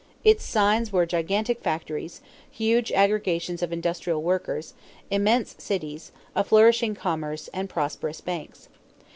Its signs were gigantic factories, huge aggregations of industrial workers, immense cities, a flourishing commerce, and prosperous banks.